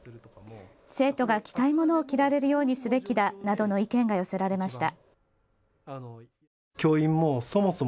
生徒が着たいものを着られるようにすべきだなどの意見が寄せられました。